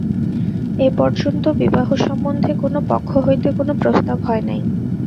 এ পর্যন্ত বিবাহ সম্বন্ধে কোনো পক্ষ হইতে কোনো প্রস্তাব হয় নাই।